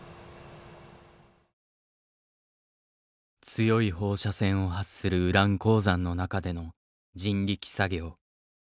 強い放射線を発するウラン鉱山の中での人力作業。